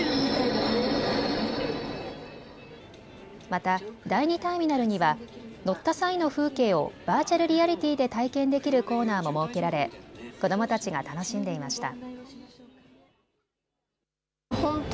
また第２ターミナルには乗った際の風景をバーチャルリアリティーで体験できるコーナーも設けられ子どもたちが楽しんでいました。